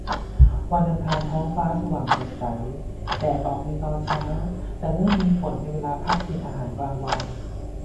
วันอังคารท้องฟ้าสว่างสดใส แดดออกในตอนเช้า แต่เริ่มมีฝนในเวลาพักกินอาหารกลางวัน